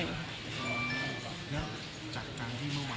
จากการที่เมื่อมา